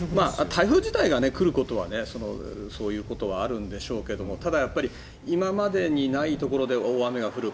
台風自体が来ることはそういうことはあるんでしょうけどただ、やっぱり今までにないところで大雨が降る。